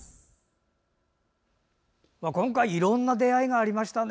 今回、いろんな出会いがありましたね。